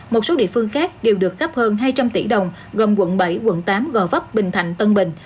một số địa phương khác đều được cấp hơn hai trăm linh tỷ đồng gồm quận bảy quận tám gò vấp bình thạnh tân bình